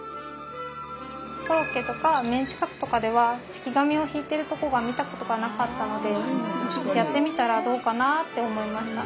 コロッケとかメンチカツとかでは敷き紙をひいてるとこが見たことがなかったのでやってみたらどうかなって思いました。